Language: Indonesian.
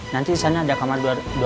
nanti disana ada kamar dua ratus delapan